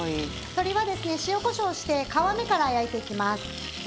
鶏は塩、こしょうをして皮目から焼いていきます。